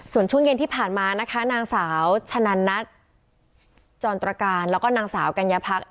ส่วนช่วงเย็นที่ผ่านมานะคะนางสาวชะนันนัทจรตรการแล้วก็นางสาวกัญญาพัก